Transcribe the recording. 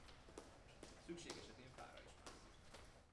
Szükség esetén fára is mászik.